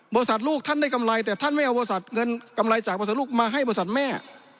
ลูกท่านได้กำไรแต่ท่านไม่เอาบริษัทเงินกำไรจากบริษัทลูกมาให้บริษัทแม่